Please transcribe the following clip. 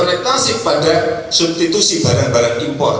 beradaptasi pada substitusi barang barang impor